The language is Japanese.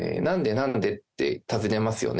なんで？って尋ねますよね。